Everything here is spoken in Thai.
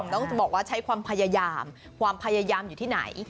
ต้องจะบอกว่าใช้ความพยายามความพยายามอยู่ที่ไหน